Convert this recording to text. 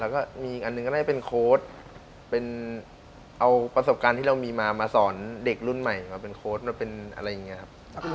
แล้วก็มีอีกอันหนึ่งก็ได้เป็นโค้ดเป็นเอาประสบการณ์ที่เรามีมามาสอนเด็กรุ่นใหม่มาเป็นโค้ดมาเป็นอะไรอย่างนี้ครับ